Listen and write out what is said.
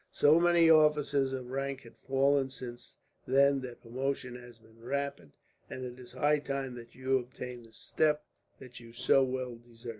So many officers of rank have fallen since then that promotion has been rapid, and it is high time that you obtained the step that you so well deserve.